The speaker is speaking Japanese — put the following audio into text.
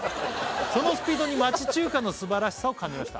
「そのスピードに町中華のすばらしさを感じました」